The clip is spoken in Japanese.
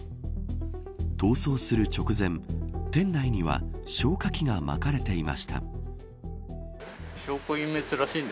逃走する直前店内には消火器がまかれていました。